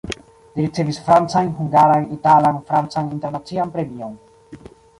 Li ricevis francajn, hungarajn, italan, francan, internacian premiojn.